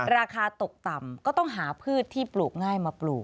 ราคาตกต่ำก็ต้องหาพืชที่ปลูกง่ายมาปลูก